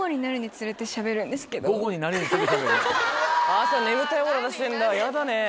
朝眠たいオーラ出してんだヤダね。